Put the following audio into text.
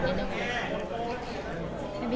สวัสดีครับ